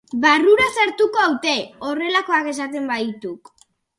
Barrura sartuko haute, horrelakoak esaten badituk.